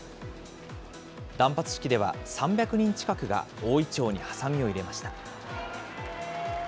断髪式では３００人近くが大いちょうにはさみを入れました。